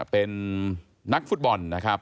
เป็นนักฟุตบอลนะครับ